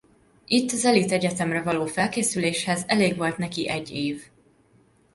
Itt az elit egyetemre való felkészüléshez elég volt neki egy év.